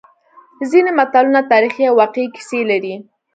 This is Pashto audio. ځینې متلونه تاریخي او واقعي کیسې لري